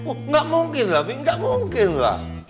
oh gak mungkin robi gak mungkin lah